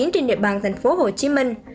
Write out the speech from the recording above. trên địa bàn thành phố hồ chí minh